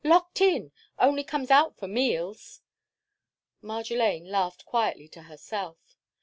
Locked in! Only comes out for meals." Marjolaine laughed quietly to herself.